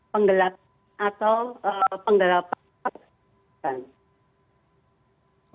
penggelapan atau penggelapan